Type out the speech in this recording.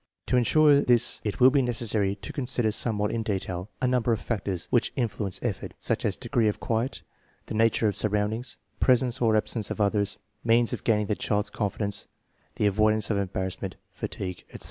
To insure this it will be necessary to consider somewhat in detail a number of factors which influence effort, such as degree of quiet, the nature of surroundings, presence or absence of others, means of gaining the child's confidence, the avoidance of embarrassment, fatigue, etc.